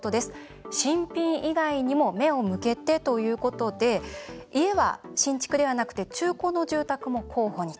新品以外にも目を向けて！ということで家は新築ではなく中古住宅も候補に。